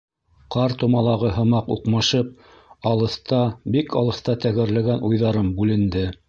Ҡар тумалағы һымаҡ уҡмашып, алыҫта, бик алыҫта тәгәрләгән уйҙарым бүленде.